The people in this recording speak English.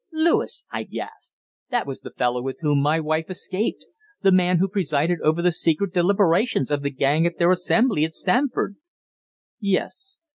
"Lewis!" I gasped. "That was the fellow with whom my wife escaped the man who presided over the secret deliberations of the gang at their assembly at Stamford!" "Yes.